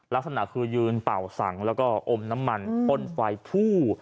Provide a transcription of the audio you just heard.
ลักษณะคือยืนเป่าสังแล้วก็อมน้ำมันพ่นไฟผู้